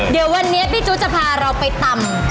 เดี๋ยววันนี้พี่จุจะพาเราไปตำ